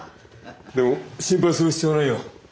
でも心配する必要はないよ。